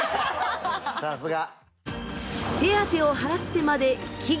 さすが。